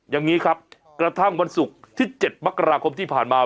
อย่างนี้ครับกระทั่งวันศุกร์ที่๗มกราคมที่ผ่านมา